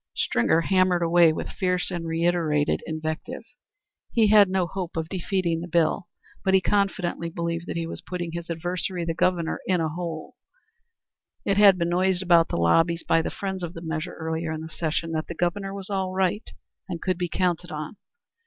Stringer hammered away with fierce and reiterated invective. He had no hope of defeating the bill, but he confidently believed that he was putting his adversary, the Governor, in a hole. It had been noised about the lobbies by the friends of the measure earlier in the session that the Governor was all right and could be counted on.